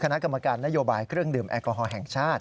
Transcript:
คณะกรรมการนโยบายเครื่องดื่มแอลกอฮอลแห่งชาติ